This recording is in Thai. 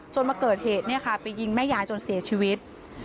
จนมาเกิดเหตุไปยิงแม่ยายจนเสียชีวิต